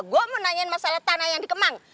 gua mau nanyain masalah tanah yang di kemang